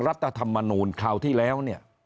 รัฐธรรมนูญคราวที่แล้ว